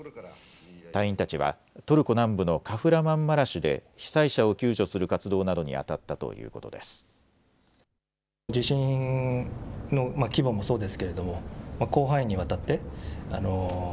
隊員たちはトルコ南部のカフラマンマラシュで被災者を救助する活動などにあたったということです。